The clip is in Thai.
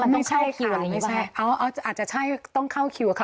ไม่ใช่ค่ะอาจจะใช่ต้องเข้าคิวค่ะ